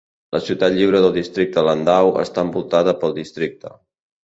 La ciutat lliure del districte Landau està envoltada pel districte.